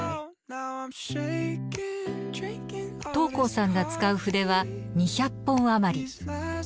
桃紅さんが使う筆は２００本余り。